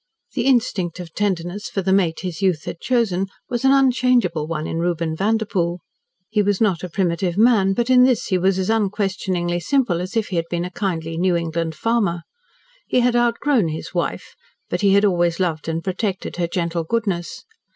The instinct of tenderness for the mate his youth had chosen was an unchangeable one in Reuben Vanderpoel. He was not a primitive man, but in this he was as unquestioningly simple as if he had been a kindly New England farmer. He had outgrown his wife, but he had always loved and protected her gentle goodness.